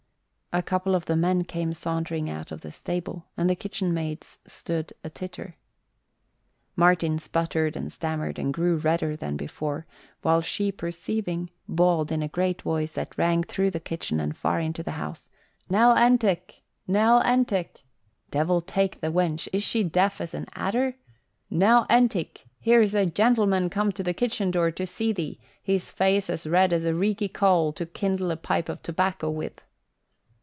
A couple of men came sauntering out of the stable and the kitchen maids stood a titter. Martin sputtered and stammered and grew redder than before, which she perceiving, bawled in a great voice that rang through the kitchen and far into the house, "Nell Entick, Nell Entick! Devil take the wench, is she deaf as an adder? Nell Entick, here's a 'gentleman' come to the kitchen door to see thee, his face as red as a reeky coal to kindle a pipe of tobacco with."